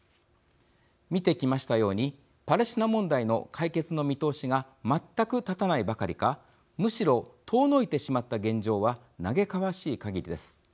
見てきましたようにパレスチナ問題の解決の見通しが全く立たないばかりかむしろ遠のいてしまった現状は嘆かわしいかぎりです。